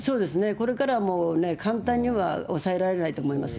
これからはもう、簡単には抑えられないと思いますよ。